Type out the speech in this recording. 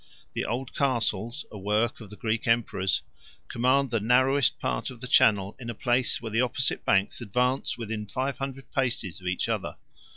The old castles, a work of the Greek emperors, command the narrowest part of the channel in a place where the opposite banks advance within five hundred paces of each other.